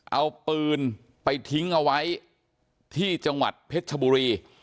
เอาปืนไปทิ้งเอาไว้ที่จังหวัดเพชรชบุรี